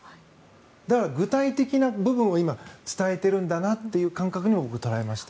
だから、具体的な部分を今伝えてるんだなという感覚に僕は捉えました。